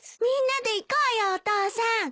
みんなで行こうよお父さん！